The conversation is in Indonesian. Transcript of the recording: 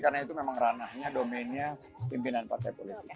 karena itu memang ranahnya domennya pimpinan partai politik